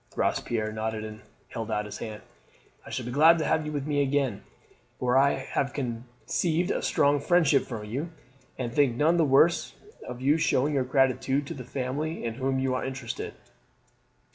Robespierre nodded and held out his hand. "I shall be glad to have you with me again, for I have conceived a strong friendship for you, and think none the worse of you for your showing your gratitude to the family in whom you are interested."